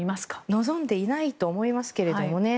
望んでいないと思いますけれどもね。